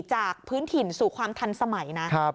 จากพื้นถิ่นสู่ความทันสมัยนะ